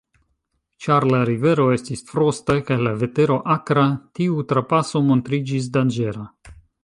Ĉar la rivero estis frosta kaj la vetero akra, tiu trapaso montriĝis danĝera.